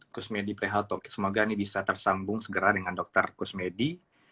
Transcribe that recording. kusmedi priharto semoga ini bisa tersambung segera dengan dr kusmedi